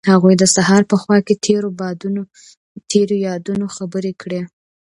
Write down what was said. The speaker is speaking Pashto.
هغوی د سهار په خوا کې تیرو یادونو خبرې کړې.